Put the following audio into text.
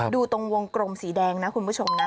ดูวงกรมสีแดงคุณผู้ชมนะ